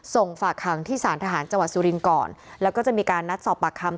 ส่งฝากขังที่สารทหารจังหวัดสุรินทร์ก่อนแล้วก็จะมีการนัดสอบปากคำ